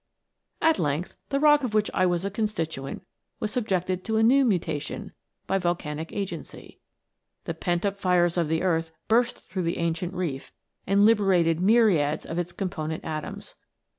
" At length the rock of which I was a constituent O was subjected to a new mutation by volcanic agency. The pent up fires of the earth burst through the ancient reef, and liberated myriads of its component atoms.